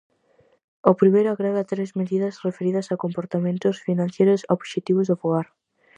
O primeiro agrega tres medidas referidas a comportamentos financeiros obxectivos do fogar.